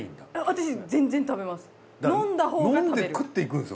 私全然食べます。